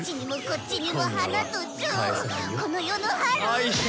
この世の春！